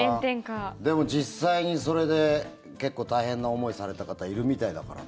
でも、実際にそれで結構、大変な思いされた方いるみたいだからね。